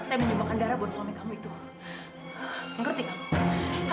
sampai jumpa di video selanjutnya